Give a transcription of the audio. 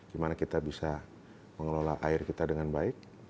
dimana kita bisa mengelola air kita dengan baik